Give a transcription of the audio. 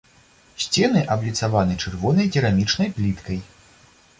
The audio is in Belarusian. Сцены абліцаваны чырвонай керамічнай пліткай.